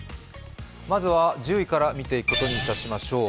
まずは１０位から見ていくことにいたしましょう。